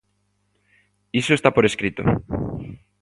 Iso está por escrito.